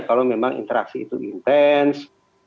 kalau memang interaksi itu intens